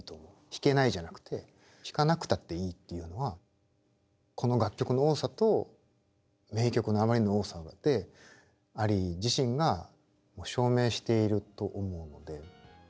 「弾けない」じゃなくて弾かなくたっていいっていうのはこの楽曲の多さと名曲のあまりの多さでアリー自身が証明していると思うので。